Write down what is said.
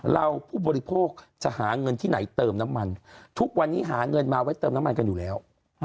ผู้บริโภคจะหาเงินที่ไหนเติมน้ำมันทุกวันนี้หาเงินมาไว้เติมน้ำมันกันอยู่แล้ว